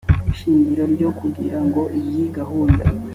shingiro ryo kugira ngo iyi gahunda